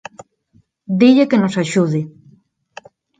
Dille que nos axude!